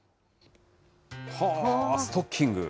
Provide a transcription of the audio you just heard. ストッキング。